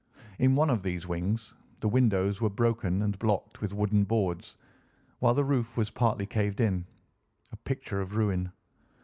In one of these wings the windows were broken and blocked with wooden boards, while the roof was partly caved in, a picture of ruin.